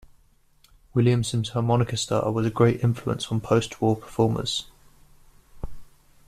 Williamson's harmonica style was a great influence on postwar performers.